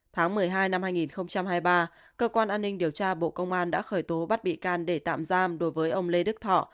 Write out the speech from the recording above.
tháng một mươi hai năm hai nghìn hai mươi ba cơ quan an ninh điều tra bộ công an đã khởi tố bắt bị can để tạm giam đối với ông lê đức thọ